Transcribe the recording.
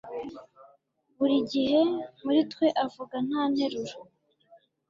Buri gihe muri twe avuga nta nteruro